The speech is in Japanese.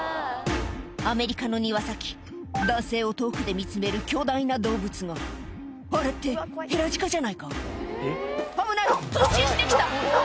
アメリカの庭先男性を遠くで見つめる巨大な動物があれってヘラジカじゃないか危ない突進して来た！